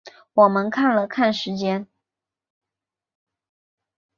我们看了看时间